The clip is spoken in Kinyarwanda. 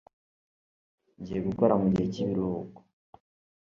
ngiye gukora mugihe cyibiruhuko